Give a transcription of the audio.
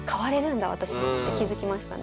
私もって気付きましたね。